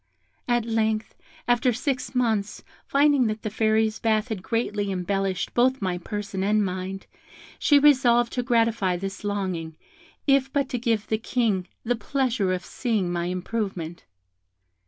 At length, after six months, finding that the Fairies' bath had greatly embellished both my person and mind, she resolved to gratify this longing, if but to give the King the pleasure of seeing my improvement.